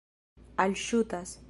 alŝutas